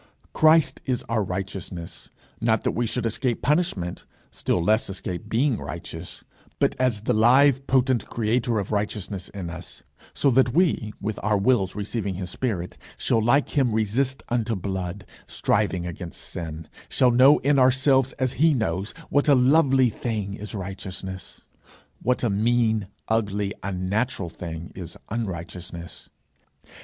Christ is our righteousness, not that we should escape punishment, still less escape being righteous, but as the live potent creator of righteousness in us, so that we, with our wills receiving his spirit, shall like him resist unto blood, striving against sin; shall know in ourselves, as he knows, what a lovely thing is righteousness, what a mean, ugly, unnatural thing is unrighteousness.